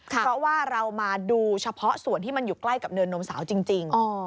เพราะว่าเรามาดูเฉพาะส่วนที่มันอยู่ใกล้กับเนินนมสาวจริง